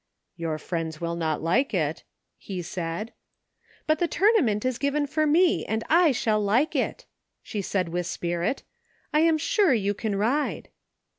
Your friends will not like it," he said. But the tournament is given for me, and I shall like it," she said with spirit " I am sure you can ride."